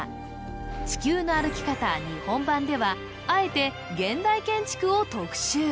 「地球の歩き方日本版」ではあえて現代建築を特集